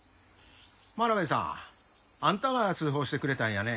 真鍋さんあんたが通報してくれたんやね。